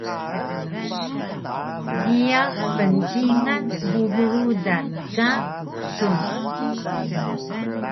Jiyax pncingan bubu rudan ka kusun